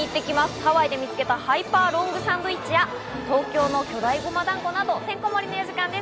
ハワイで見つけたハイパーロングサンドイッチや東京の巨大ゴマ団子など、てんこ盛りの４時間です。